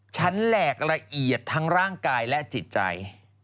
แหลกละเอียดทั้งร่างกายและจิตใจ